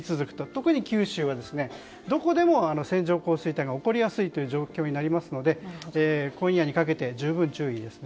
特に九州はどこでも線状降水帯が起こりやすい状況になりますので今夜にかけて十分注意ですね。